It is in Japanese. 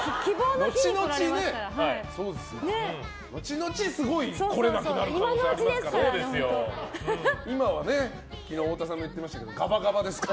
後々すごい来れなくなる可能性ありますから。